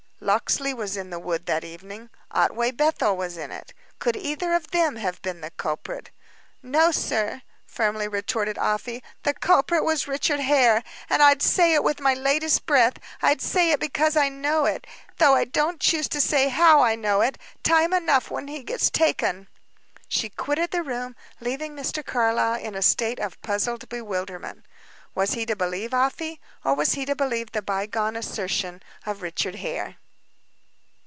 "Locksley was in the wood that evening. Otway Bethel was in it. Could either of them have been the culprit?" "No, sir," firmly retorted Afy; "the culprit was Richard Hare; and I'd say it with my latest breath I'd say it because I know it though I don't choose to say how I know it; time enough when he gets taken." She quitted the room, leaving Mr. Carlyle in a state of puzzled bewilderment. Was he to believe Afy, or was he to believe the bygone assertion of Richard Hare?